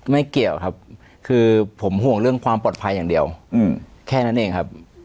ไม่เกี่ยวครับคือผมห่วงเรื่องความปลอดภัยอย่างเดียวแค่นั้นเองครับ